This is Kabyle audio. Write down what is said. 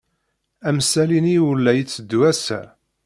Amsali-nni ur la itteddu ass-a.